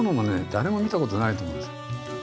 誰も見たことないと思うんですよ。